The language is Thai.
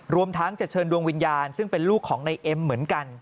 รวมทั้งจะเชิญดวงวิญญาณซึ่งเป็นลูกของในเอ็มเหมือนกัน